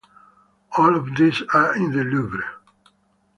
All of these are in the Louvre.